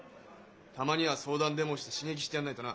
たまには相談でもして刺激してやんないとな。